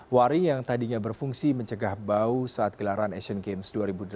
waring yang tadinya berfungsi mencegah bau saat gelaran asian games dua ribu delapan belas